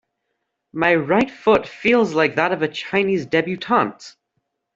My right foot feels like that of a Chinese debutante.